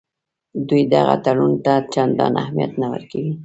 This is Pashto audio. دوی دغه تړون ته چندان اهمیت نه ورکوي.